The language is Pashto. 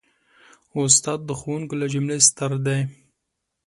استاد د ښوونکو له جملې ستر دی.